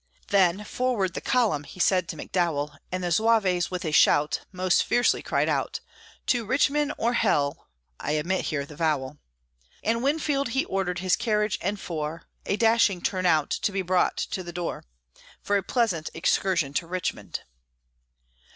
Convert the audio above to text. Then, "Forward the column," he said to McDowell; And the Zouaves with a shout, Most fiercely cried out, "To Richmond or h ll!" (I omit here the vowel) And Winfield he ordered his carriage and four, A dashing turnout, to be brought to the door, For a pleasant excursion to Richmond.